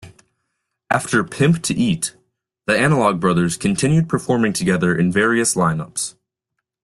After "Pimp to Eat", the Analog Brothers continued performing together in various line ups.